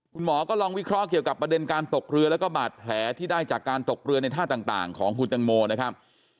คุณหมอก็ลองวิเคราะห์เกี่ยวกับประเด็นการตกเรือแล้วก็บาดแผลที่ได้จากการตกเรือในท่าต่างของคุณตังโมนะครับ